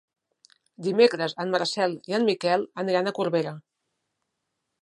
Dimecres en Marcel i en Miquel aniran a Corbera.